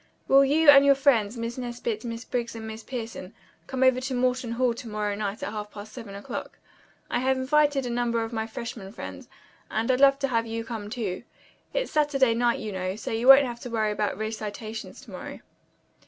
"Will you and your friends, Miss Nesbit, Miss Briggs and Miss Pierson, come over to Morton Hall to night at half past seven o'clock. I have invited a number of my freshmen friends, and I'd love to have you come, too. It's Saturday night you know, so you won't have to worry about recitations to morrow."